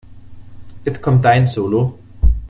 Jetzt kommt dein Solo.